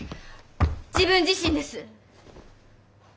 自分自身です。